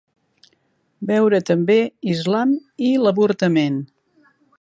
Veure també: Islam i l'avortament.